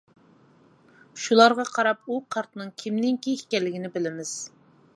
شۇلارغا قاراپ ئۇ كارتىنىڭ كىمنىڭكى ئىكەنلىكىنى بىلىمىز.